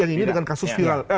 yang ini dengan kasus viral